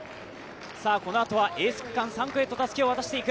このあとはエース区間、３区へとたすきを渡していく